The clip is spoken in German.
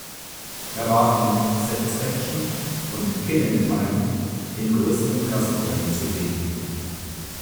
Er war in "Satisfaction" und "Killing Time" in größeren Gastrollen zu sehen.